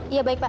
iya baik pak